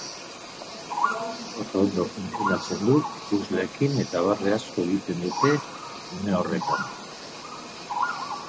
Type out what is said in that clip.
Oso ondo funtzionatzen du ikusleekin, eta barre asko egiten dute une horretan.